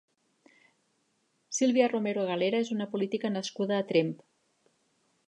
Sílvia Romero Galera és una política nascuda a Tremp.